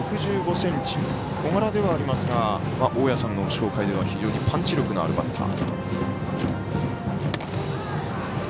小柄ではありますが大矢さんの紹介では非常にパンチ力のあるバッター。